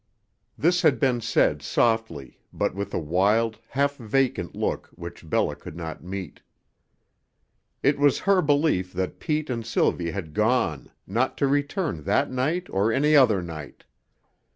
This had been said softly, but with a wild, half vacant look which Bella could not meet. It was her belief that Pete and Sylvie had gone, not to return that night or any other night.